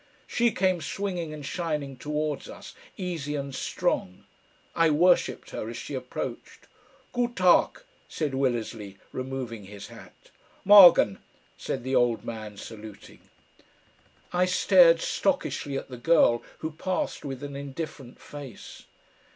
She came swinging and shining towards us, easy and strong. I worshipped her as she approached. "Gut Tag!" said Willersley, removing his hat. "Morgen!" said the old man, saluting. I stared stockishly at the girl, who passed with an indifferent face.